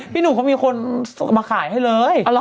พี่หนูเขามีคนมาขายให้เลย